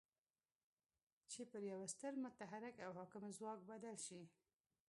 چې پر يوه ستر متحرک او حاکم ځواک بدل شي.